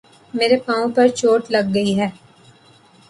میرے پاؤں پر چوٹ لگ گئی ہے